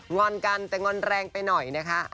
อนกันแต่งอนแรงไปหน่อยนะคะ